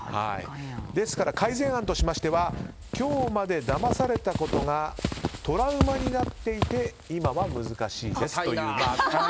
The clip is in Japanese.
ですから、改善案としましては今日までだまされたことがトラウマになっていて今は難しいですという。